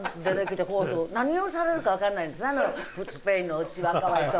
何をされるかわからないんですねスペインの牛は可哀想に。